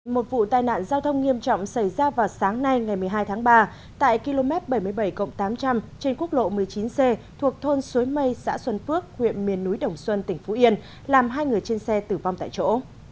một vụ tai nạn giao thông nghiêm trọng xảy ra vào sáng nay ngày một mươi hai tháng ba tại km bảy mươi bảy tám trăm linh trên quốc lộ một mươi chín c thuộc thôn xuối mây xã xuân phước huyện miền núi đồng xuân tỉnh phú yên làm hai người trên xe tử vong tại chỗ